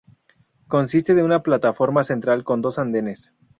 Consiste de una plataforma central con dos andenes.